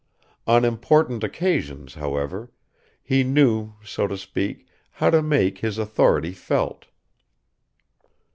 On important occasions, however, he knew, so to speak, how to make his authority felt.